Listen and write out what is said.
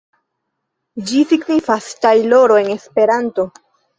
Ĝi signifas tajloro en Esperanto.